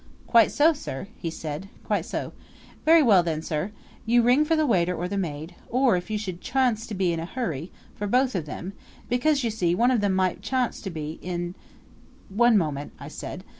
"Quite so, sir," he said, "quite so. Very well, then, sir: You ring for the waiter or the maid or, if you should charnce to be in a hurry, for both of them; because, you see, one of them might charnce to be en " "One moment," I said.